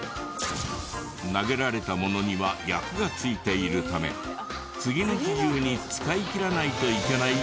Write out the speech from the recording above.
投げられたものには厄がついているため次の日中に使いきらないといけない決まり。